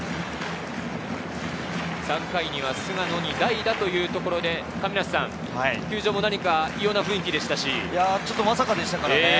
３回には菅野に代打というところで亀梨さん、球場も何か異様な雰囲気でしたし、ちょっとまさかでしたからね。